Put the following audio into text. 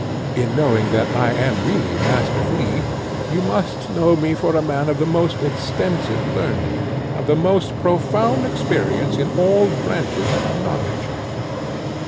In knowing that I am really Master Flea, you must know me for a man of the most extensive learning, of the most profound experience in all branches of knowledge.